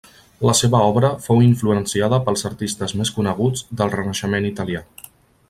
La seva obra fou influenciada pels artistes més coneguts del Renaixement italià.